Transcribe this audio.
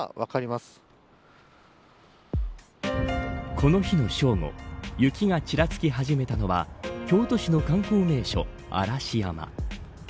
この日の正午雪がちらつき始めたのは京都市の観光名所、嵐山。